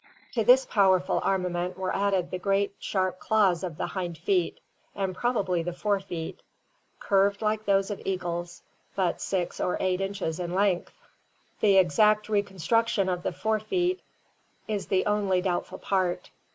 To this powerful armament were added the great sharp claws of the hind feet, and probably the fore feet, curved like those of eagles, but 6 or 8 inches in length. ... The exact reconstruction of the fore feet is the only doubtful part.